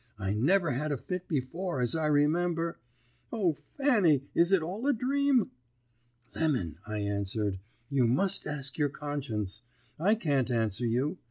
I never had a fit before, as I remember. O Fanny, is it all a dream?' "'Lemon,' I answered, 'you must ask your conscience; I can't answer you.